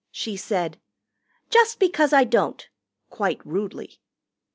She said, "Just because I don't," quite rudely.